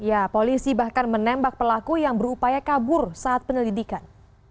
ya polisi bahkan menembak pelaku yang berupaya kabur saat penyelidikan